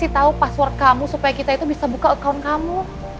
beritahu password kamu supaya kita bisa buka akun kamu